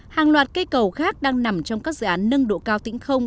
hàng loạt cây cầu khác đang nằm trong các dự án nâng độ cao tĩnh không